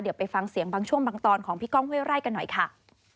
เดี๋ยวไปฟังเสียงบางช่วงบางตอนของพี่ก้องห้วยไร่กันหน่อยค่ะ